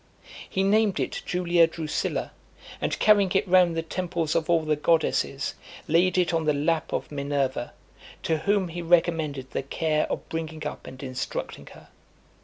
He named it Julia Drusilla, and carrying it round the temples of all the goddesses, laid it on the lap of Minerva; to whom he recommended the care of bringing up and instructing her.